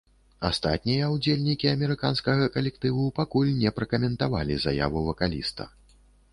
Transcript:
Астатнія ўдзельнікі амерыканскага калектыву пакуль не пракаментавалі заяву вакаліста.